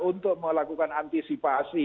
untuk melakukan antisipasi